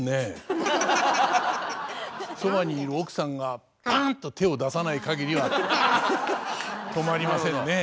そばにいる奥さんがパン！と手を出さない限りは止まりませんね。